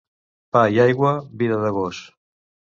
Pa i aigua, vida de gos.